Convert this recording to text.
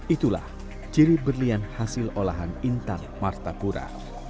itulah ciri berlian hasil olahan intan martapura